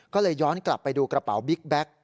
ก็เลยย้อนกลับไปดูกระเป๋าบิ๊กแบ็ค